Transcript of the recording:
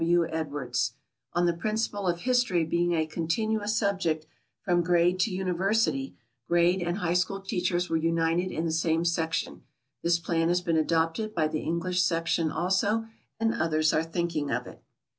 W. Edwards. On the principle of history being a continuous subject from grade to university, grade and high school teachers were united in the same section. This plan has been adopted by the English section also, and others are thinking of it.